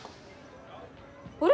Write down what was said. あれ！？